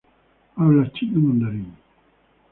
Habla chino mandarín.